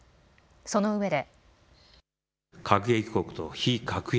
そのうえで。